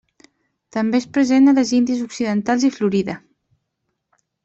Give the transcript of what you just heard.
També és present a les Índies Occidentals i Florida.